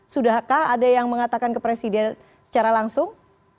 sudahkah ada yang mengatakan ke presiden secara langsung